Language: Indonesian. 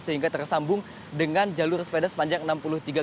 sehingga tersambung dengan jalur sepeda yang ada di kawasan matraman